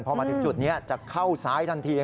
พอมาถึงจุดเนี่ยจะเข้าไปที่นี่ค่ะ